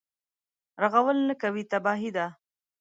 رغول نه کوي تباهي ده.